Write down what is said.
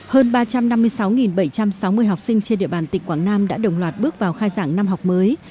hơn ba trăm năm mươi sáu bảy trăm sáu mươi học sinh trên địa bàn tỉnh quảng nam đã đồng loạt bước vào khai giảng năm học mới